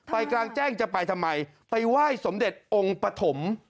กลางแจ้งจะไปทำไมไปไหว้สมเด็จองค์ปฐม